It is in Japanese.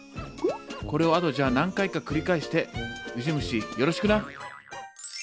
これをあとじゃあ何回か繰り返してウジ虫よろしくな。